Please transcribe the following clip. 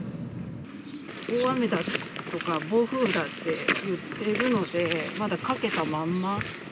大雨だとか暴風雨だとかって言ってるので、まだかけたまんま。